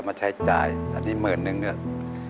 มาใช้จ่ายอันนี้อีกหมื่นนูหนึ่ง